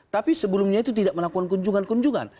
tapi sebelumnya itu tidak melakukan kunjungan kunjungan